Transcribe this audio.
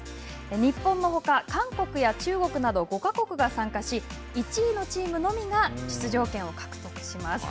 日本のほか、韓国や中国など５か国が参加し、１位のチームのみが出場権を獲得します。